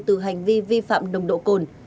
từ hành vi vi phạm nồng độ cồn